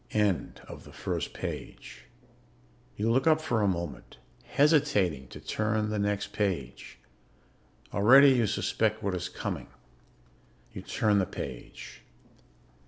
End of the first page. You look up for a moment, hesitating to turn the next page. Already you suspect what is coming. You turn the page.